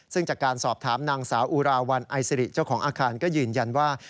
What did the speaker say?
ซึ่งจากการสอบถามนางสาวอุราวัลไอซิริเจ้าของอาคารก็ยืนยันว่า